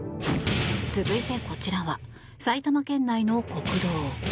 続いて、こちらは埼玉県内の国道。